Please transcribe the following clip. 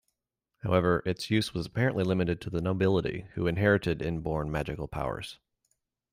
However, its use was apparently limited to the nobility, who inherited inborn magical powers.